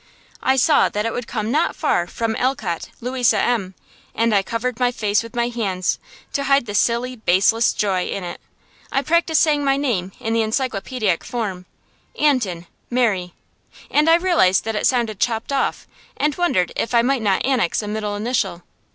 I saw that it would come not far from "Alcott, Louisa M."; and I covered my face with my hands, to hide the silly, baseless joy in it. I practised saying my name in the encyclopædic form, "Antin, Mary"; and I realized that it sounded chopped off, and wondered if I might not annex a middle initial.